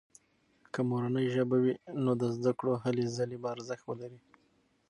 که مورنۍ ژبه وي، نو د زده کړې هلې ځلې به ارزښت ولري.